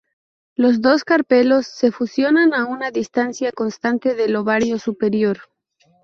Los dos carpelos se fusionan a una distancia constante del ovario superior.